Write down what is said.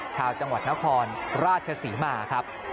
ชาวจังหวัดนครราชศรีมาครับ